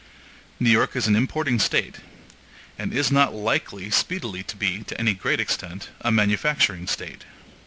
New York is an importing State, and is not likely speedily to be, to any great extent, a manufacturing State.